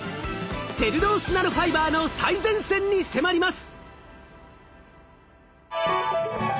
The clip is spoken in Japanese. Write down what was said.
セルロースナノファイバーの最前線に迫ります！